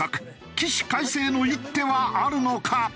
起死回生の一手はあるのか？